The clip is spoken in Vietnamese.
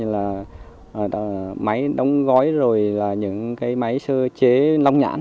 là máy đóng gói rồi là những cái máy sơ chế lông nhãn